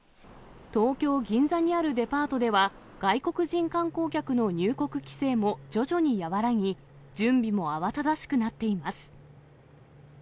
東京・銀座にあるデパートでは、外国人観光客の入国規制も徐々に和らぎ、準備も慌ただしくなっています。